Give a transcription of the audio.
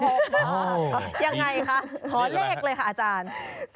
ยังไงคะขอเลขเลยค่ะอาจารย์